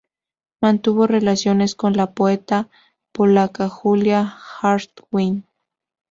Mantuvo relaciones con la poeta polaca Julia Hartwig.